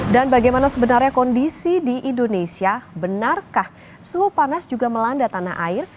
dan bagaimana sebenarnya kondisi di indonesia benarkah suhu panas juga melanda tanah air